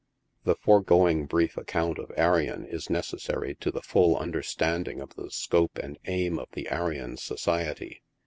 The foregoing brief account of Arion is necessary to the full un derstanding of the scope and aim of the Arion Society.